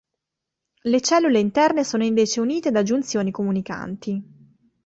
Le cellule interne sono invece unite da giunzioni comunicanti.